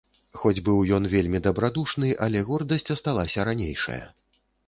Хоць быў ён вельмі дабрадушны, але гордасць асталася ранейшая.